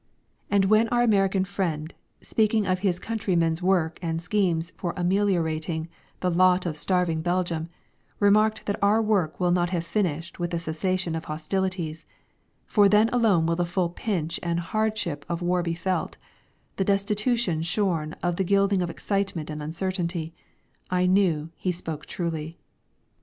And when our American friend, speaking of his countrymen's work and schemes for ameliorating the lot of starving Belgium, remarked that our work will not have finished with the cessation of hostilities, for then alone will the full pinch and hardships of war be felt, the destitution shorn of the gilding of excitement and uncertainty, I knew he spoke truly.